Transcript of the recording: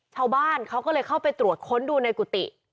ชาวบ้านเขาก็เลยเข้าไปตรวจค้นดูในกุฏิ